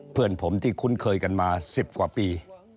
เพื่อนผมที่คุ้นเคยกันมา๑๐กว่าปี